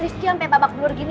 rifqi sampe babak bulur gini